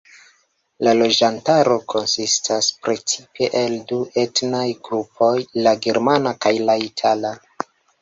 La loĝantaro konsistas precipe el du etnaj grupoj, la germana kaj la itala.